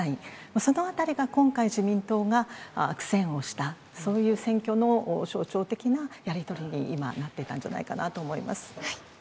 そのあたりが今回、自民党が苦戦をした、そういう選挙の象徴的なやり取りに今、なっていたんじゃないかなと思います。